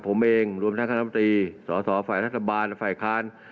ผมเองรวมทั้งคุณธรรมดีสอสอฝ่ายทัศนบาลฝ่ายคลาน